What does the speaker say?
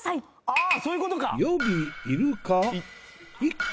あそういうことか。